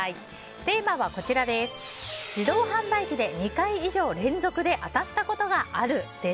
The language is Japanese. テーマは自動販売機で２回以上連続で当たったことがあるです。